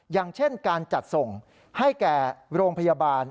อย่างเช่นการจัดส่งให้แก่โรงพยาบาล